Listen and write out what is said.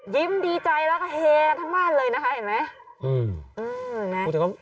ยิ้มดีใจแล้วก็เฮกันทั้งบ้านเลยนะคะเห็นไหม